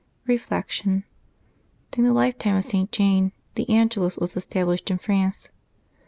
Reflection. — During the lifetime of St. Jane, the An gelus was established in France.